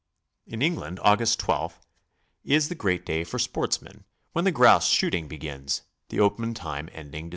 In England, Aug. 12 is the great day for sportsmen, when the grouse s hooting begins, the open time ending Dec.